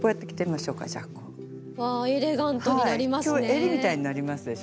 えりみたいになりますでしょ。